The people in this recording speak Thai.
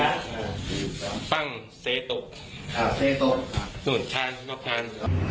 ตั้งเสียตกนู่นชาญนอกชาญ